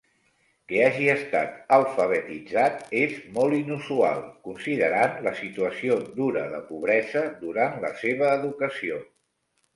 Que hagi estat alfabetitzat és molt inusual, considerant la situació dura de pobresa durant la seva educació.